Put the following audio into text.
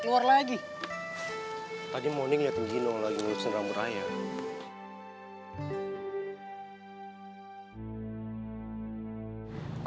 tadi morning liat gino lagi ngeluk senderam beraya